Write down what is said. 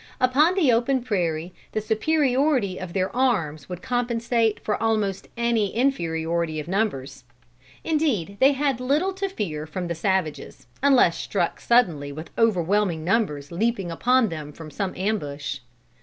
Upon the open prairie, the superiority of their arms would compensate for almost any inferiority of numbers. Indeed they had little to fear from the savages, unless struck suddenly with overwhelming numbers leaping upon them from some ambush.